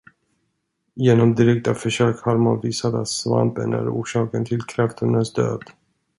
Genom direkta försök har man visat, att svampen är orsaken till kräftornas död.